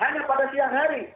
hanya pada siang hari